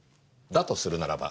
とするならば